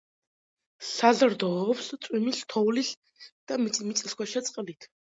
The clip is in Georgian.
საზრდოობს წვიმის, თოვლის და მიწისქვეშა წყლით.